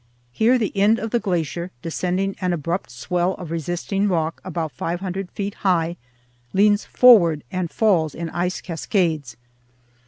Here the end of the glacier, descending an abrupt swell of resisting rock about five hundred feet high, leans forward and falls in ice cascades.